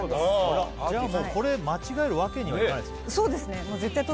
じゃあもうこれ間違えるわけにはいかないですね